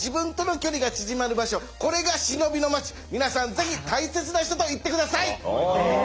ぜひ大切な人と行ってください。